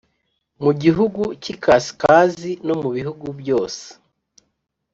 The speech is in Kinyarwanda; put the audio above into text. Mu gihugu cy ikasikazi no mu bihugu byose